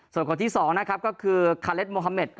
ส่วนคนที่๒นะครับก็คือคาเลสโมฮาเมด